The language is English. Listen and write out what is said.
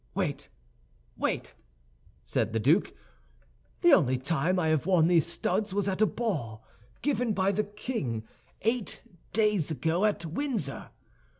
"Wait, wait!" said the duke. "The only time I have worn these studs was at a ball given by the king eight days ago at Windsor.